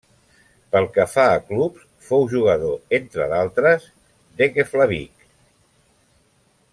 Pel que fa a clubs, fou jugador, entre d'altres, de Keflavík.